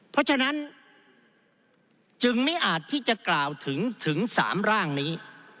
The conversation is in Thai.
เพราะฉะนั้นจึงไม่อาจที่จะกล่าวถึงถึง๓ร่างนี้